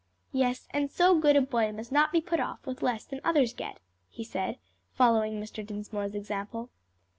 "Yes, and so good a boy must not be put off with less than others get," he said, following Mr. Dinsmore's example.